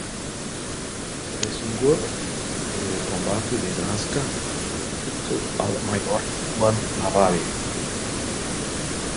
Se distinguió en el combate de Nazca junto al mayor Juan Lavalle.